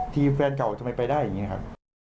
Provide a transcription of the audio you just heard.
ที่แฟนเก่าจะไม่ไปได้อย่างนี้ครับ